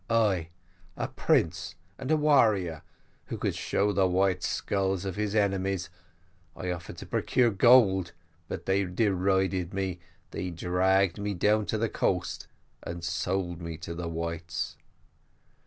I, a prince and a warrior, who could show the white skulls of his enemies I offered to procure gold, but they derided me; they dragged me down to the coast, and sold me to the Whites.